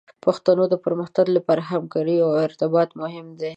د پښتو د پرمختګ لپاره همکارۍ او ارتباط مهم دي.